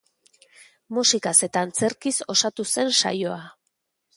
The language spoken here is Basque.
Musikaz eta antzerkiz osatu zen saioa.